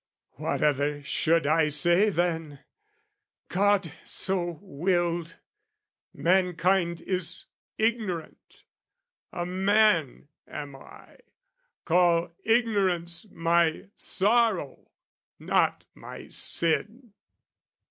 What other should I say than "God so willed: "Mankind is ignorant, a man am I: "Call ignorance my sorrow not my sin!"